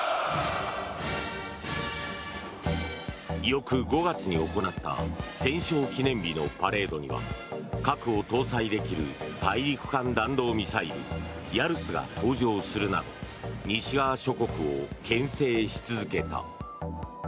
翌５月に行った戦勝記念日のパレードには核を搭載できる大陸間弾道ミサイルヤルスが登場するなど西側諸国を牽制し続けた。